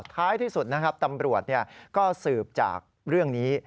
ท้ายที่สุดนะครับตำรวจก็สืบจากเรื่องนี้